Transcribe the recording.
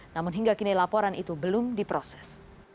namun hingga kini laporan itu belum diproses